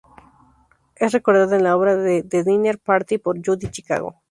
Es recordada en la obra "The Dinner Party," por Judy Chicago.